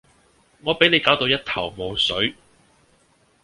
我比你攪到一頭霧水